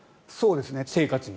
生活に。